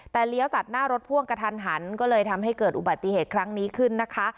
แต่เลี้ยวตัดหน้ารถพ่วงกระทันหันก็เลยทำให้เกิดอุบัติเหตุครั้งนี้ขึ้นนะคะ